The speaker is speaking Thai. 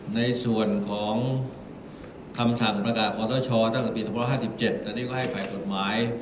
ในส่วนของคำสั่งประกาศของต้นชอเมื่อปี๑๙๕๗นี่ก็ให้ฝ่างกรดหมาย